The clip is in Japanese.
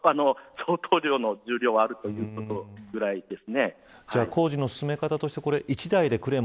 相当量の重量はあるということぐらいです。